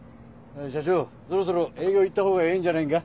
社長そろそろ営業行ったほうがええんじゃないんか？